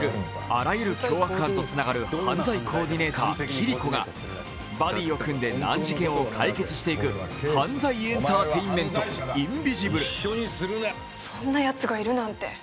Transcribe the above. あらゆる凶悪犯とつながる犯罪コーディネーター、キリコがバディを組んで難事件を解決していく、犯罪エンターテインメント「インビジブル」。